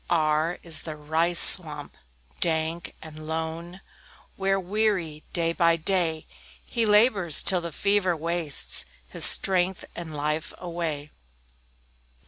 R R is the "Rice swamp, dank and lone," Where, weary, day by day, He labors till the fever wastes His strength and life away.